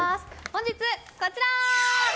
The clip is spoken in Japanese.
本日はこちら。